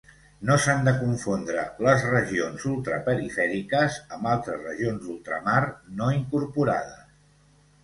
No s'han de confondre les regions ultraperifèriques amb altres regions d'ultramar no incorporades.